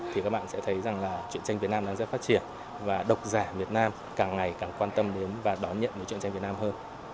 thì các bạn sẽ thấy rằng là chuyện tranh việt nam đang rất phát triển và độc giả việt nam càng ngày càng quan tâm đến và đón nhận một chuyện tranh việt nam hơn